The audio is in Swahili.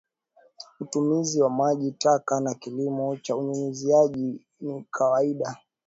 Utumizi wa maji taka kwa kilimo cha unyunyizaji ni wa kawaida